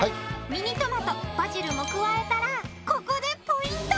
ミニトマトバジルも加えたらここでポイント！